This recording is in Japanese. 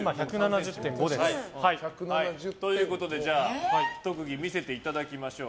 ということで特技見せていただきましょう。